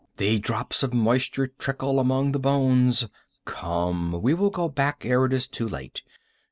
The drops of moisture trickle among the bones. Come, we will go back ere it is too late.